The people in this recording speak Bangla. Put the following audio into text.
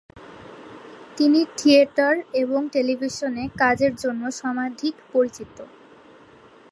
তিনি থিয়েটার এবং টেলিভিশনে কাজের জন্য সমধিক পরিচিত।